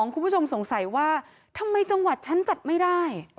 คุณผู้ชมสงสัยว่าทำไมจังหวัดฉันจัดไม่ได้